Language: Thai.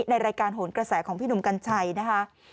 ในรายการโหนกระแสของพี่หนุ่มกัญชัยนะคะ